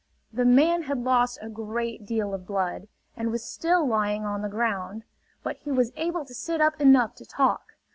The man had lost a great deal of blood, and was still lying on the ground; but he was able to sit up enough to talk.